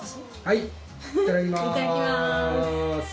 いただきます！